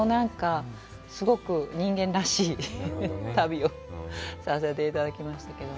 やっぱり、すごく人間らしい旅をさせていただきましたけども。